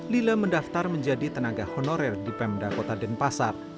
lila mendaftar menjadi tenaga honorer di pemda kota denpasar